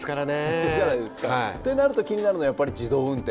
ってなると気になるのやっぱり自動運転。